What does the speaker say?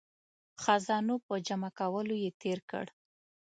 خزانو په جمع کولو یې تیر کړ.